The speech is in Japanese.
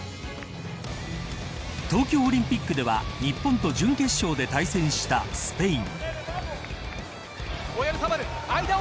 東京オリンピックでは日本と準決勝で対戦したスペイン。